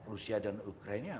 rusia dan ukraina